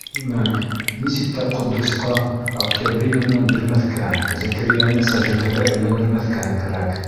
Тимәк, нисек тә Ҡотдосҡа Октябринаны бирмәҫкә, Зәкирйәнен Сажидәгә өйләндермәҫкә кәрәк!